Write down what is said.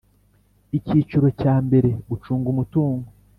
Icyiciro cya mbere Gucunga umutungo